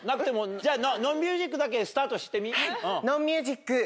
じゃノーミュージックだけスタートしてみ。